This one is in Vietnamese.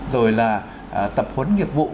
rồi là tập huấn nhiệm vụ